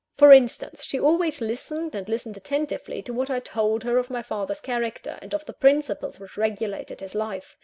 For instance; she always listened, and listened attentively, to what I told her of my father's character, and of the principles which regulated his life.